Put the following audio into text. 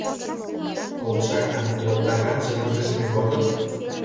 Колчакын йолтаганже йылгыжме годым?